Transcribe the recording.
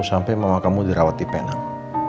sampai mama kamu dirawati penang